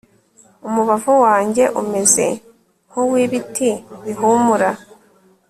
umubavu wanjye umeze nk'uw'ibiti bihumura